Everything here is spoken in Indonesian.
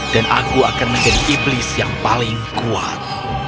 dan aku akan menjadi iblis yang paling kuat